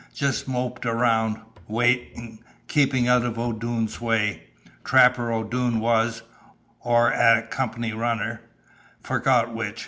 Just moped around waiting keeping out of O'Doone's way. Trapper, O'Doone was or a Company runner. Forgot which.